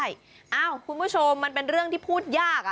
คุณผู้ชมมันเป็นเรื่องที่พูดยาก